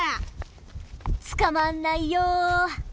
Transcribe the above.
つかまんないよ。